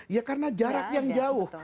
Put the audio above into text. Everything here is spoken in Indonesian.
ya karena jarak yang jauh